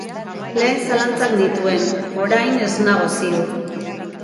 Lehen zalantzak nituen, orain ez nago ziur.